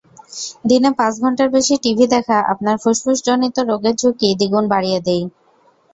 দিনে পাঁচ ঘণ্টার বেশি টিভি দেখা আপনার ফুসফুসজনিত রোগের ঝুঁকি দ্বিগুণ বাড়িয়ে দেয়।